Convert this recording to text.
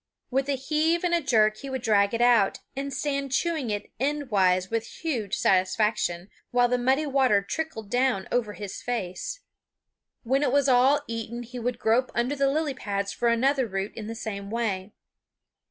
With a heave and a jerk he would drag it out, and stand chewing it endwise with huge satisfaction, while the muddy water trickled down over his face. When it was all eaten he would grope under the lily pads for another root in the same way.